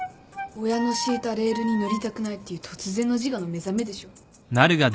親の敷いたレールに乗りたくないっていう突然の自我の目覚めでしょ。